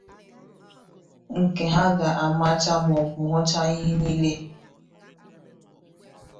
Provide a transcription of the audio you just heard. nke na ha ga-amacha maọbụ hụchaa ihe niile.